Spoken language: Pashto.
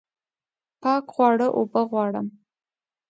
پاک خواړه اوبه غواړم